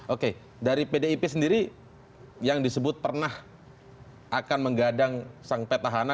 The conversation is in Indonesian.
oke dari pdip sendiri yang disebut pernah akan menggadang sang petahana